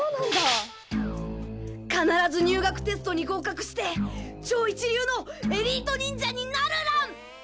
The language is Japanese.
「必ず入学テストに合格して超一流のエリート忍者になるらん」